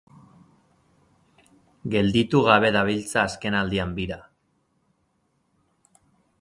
Gelditu gabe dabiltza azkenaldian bira.